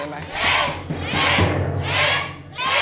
เล่น